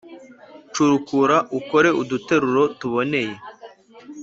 Curukura ukore uduteruro tuboneye